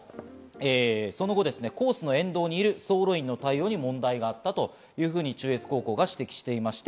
その後、コースの沿道にいる走路員の対応に問題があったというふうに中越高校が指摘しています。